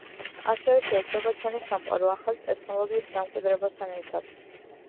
ასევე შეიცვლება ჩვენი სამყარო ახალი ტექნოლოგიის დამკვიდრებასთან ერთად.